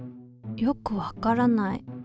よくわからない。